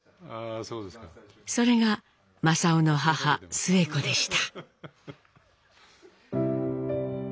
それが正雄の母スエ子でした。